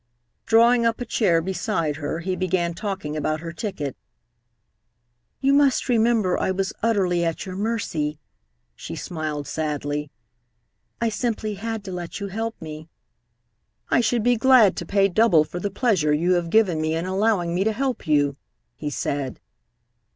Drawing up a chair beside her, he began talking about her ticket. "You must remember I was utterly at your mercy," she smiled sadly. "I simply had to let you help me." "I should be glad to pay double for the pleasure you have given me in allowing me to help you," he said.